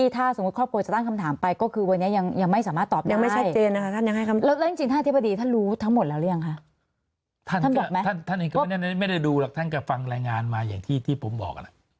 ท่านก็ไม่ได้ดูหรอกท่านก็ฟังรายงานมาอย่างที่ผมบอก